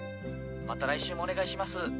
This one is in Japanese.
また来週もお願いします。